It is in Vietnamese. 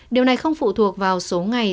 điều này không phụ thuộc vào số ngày